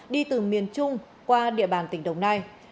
đi từ miền trung qua địa bàn tỉnh đồng nai